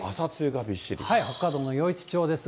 北海道の余市町ですが。